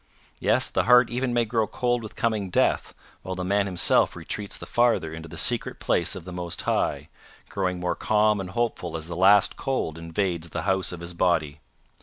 Yes, the heart even may grow cold with coming death, while the man himself retreats the farther into the secret place of the Most High, growing more calm and hopeful as the last cold invades the house of his body.